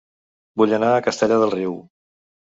Vull anar a Castellar del Riu